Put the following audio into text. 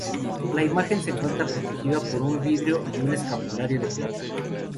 La imagen se encuentra protegida por un vidrio y un escapulario de plata.